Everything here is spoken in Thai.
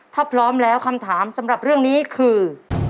ถ้าพร้อมแล้วคำถามสำหรับเรื่องนี้คือ